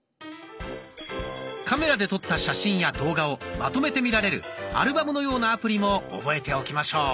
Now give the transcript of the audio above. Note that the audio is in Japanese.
カメラで撮った写真や動画をまとめて見られるアルバムのようなアプリも覚えておきましょう。